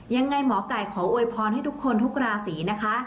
ยังไงหมอไก่ขอโวยพรให้ทุกคนทุกราศีนะคะ